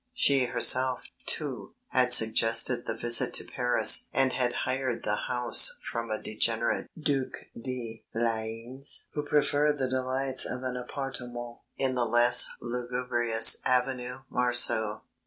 She herself, too, had suggested the visit to Paris and had hired the house from a degenerate Duc de Luynes who preferred the delights of an appartement in the less lugubrious Avenue Marceau.